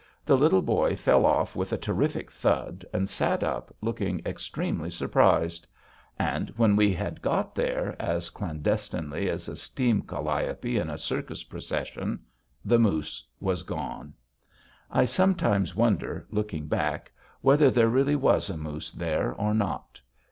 The Little Boy fell off with a terrific thud, and sat up, looking extremely surprised. And when we had got there, as clandestinely as a steam calliope in a circus procession, the moose was gone. I sometimes wonder, looking back, whether there really was a moose there or not.